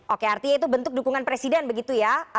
oke artinya itu bentuk dukungan presiden begitu ya